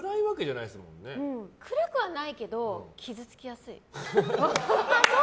暗くはないけど傷つきやすい。